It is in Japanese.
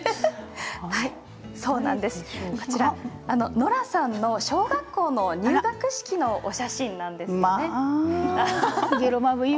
そうです、こちらはノラさんの小学校の入学式のお写真なんです。